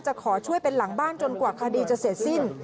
ขอช่วยเป็นหลังบ้านจนกว่าคดีจะเสร็จสิ้น